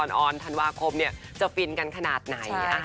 เรียกดาวิบ้างเรียกลิงบ้าง